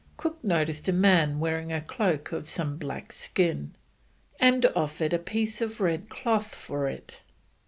Cook noticed a man wearing a cloak of some black skin, and offered a piece of red cloth for it.